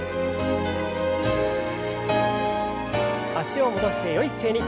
脚を戻してよい姿勢に。